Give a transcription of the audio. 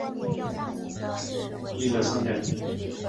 一者生忍。